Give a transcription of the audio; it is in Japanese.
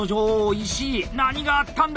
石井何があったんだ